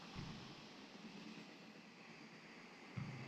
To’rt o’g’lon tinch uxlardi